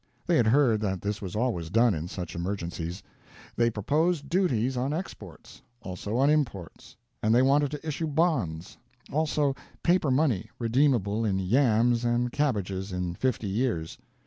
They had heard that this was always done in such emergencies. They proposed duties on exports; also on imports. And they wanted to issue bonds; also paper money, redeemable in yams and cabbages in fifty years.